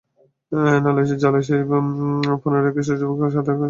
জলাশয়ে জনা পনেরো কিশোর-যুবক কখনো সাঁতার, আবার কখনো ডুবসাঁতারে একটি হাঁসের পেছনে ছুটছে।